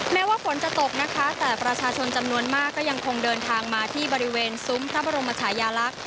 แม้ว่าฝนจะตกนะคะแต่ประชาชนจำนวนมากก็ยังคงเดินทางมาที่บริเวณซุ้มพระบรมชายาลักษณ์